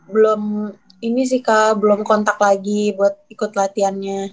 belum ini sih kak belum kontak lagi buat ikut latihannya